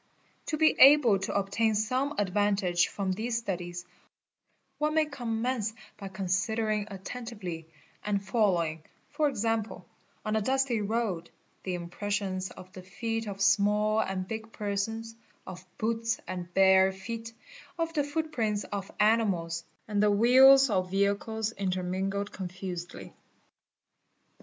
To be able jo obtain some advantage from these studies, one may commence by jonsidering attentively, and following, for example on a dusty road, the impressions of the feet of small and big persons, of boots and bare feet, of the footprints of animals, and the wheels of vehicles intermingled confusedly.